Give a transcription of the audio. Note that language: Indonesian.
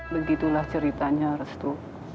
begitulah ceritanya restu